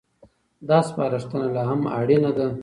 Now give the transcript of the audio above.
دا سپارښتنه لا هم اړينه ده.